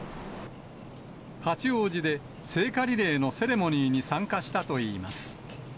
八王子で聖火リレーのセレモニーに参加したといいます。